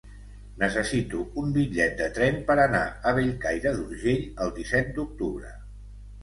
Necessito un bitllet de tren per anar a Bellcaire d'Urgell el disset d'octubre.